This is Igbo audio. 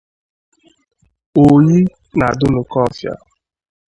Oyi na Dunukọfịa